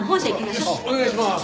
よしお願いします！